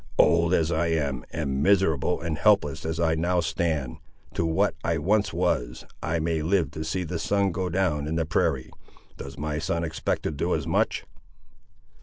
"Old as I am, and miserable and helpless as I now stand, to what I once was, I may live to see the sun go down in the prairie. Does my son expect to do as much?"